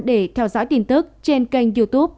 để theo dõi tin tức trên kênh youtube